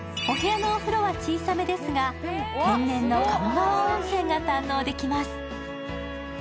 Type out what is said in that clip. お部屋のお風呂は小さめですが天然の鴨川温泉が堪能できます。